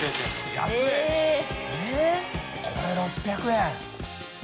─舛叩これ６００円？